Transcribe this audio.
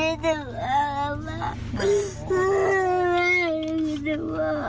คิดถึงพ่อ